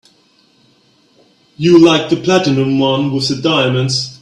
You liked the platinum one with the diamonds.